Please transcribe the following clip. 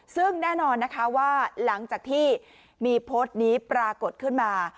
ซึ่งแน่นอนนะคะว่าหลังจากที่มีโพสต์นี้ปรากฏขึ้นมา